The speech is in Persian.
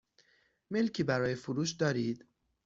ملکی برای فروش دارید؟